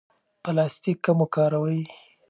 پلاستیک کم وکاروئ.